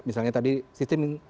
misalnya tadi sistem